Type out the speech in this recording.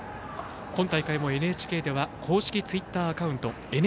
今大会もＮＨＫでは公式ツイッターアカウント